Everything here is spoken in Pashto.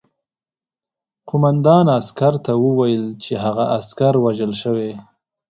قوماندان عسکر ته وویل چې هغه عسکر وژل شوی